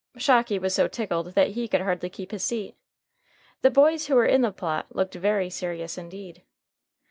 Shocky was so tickled that he could hardly keep his seat. The boys who were in the plot looked very serious indeed.